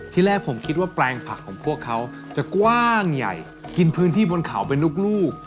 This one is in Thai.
ที่แรกผมคิดว่าแปลงผักของพวกเขาจะกว้างใหญ่กินพื้นที่บนเขาเป็นลูก